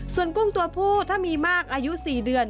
ส่วนกุ้งตัวผู้ถ้ามีมากอายุ๔เดือน